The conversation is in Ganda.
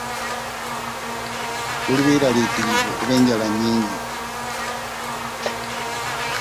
Tuli beeraliikirivu kuba enjala nnyingi.